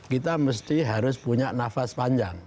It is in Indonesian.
kita mesti harus punya nafas panjang